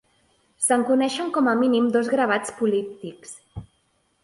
Se'n coneixen com a mínim dos gravats políptics.